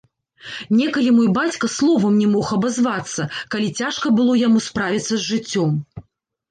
Некалі мой бацька словам не мог абазвацца, калі цяжка было яму справіцца з жыццём.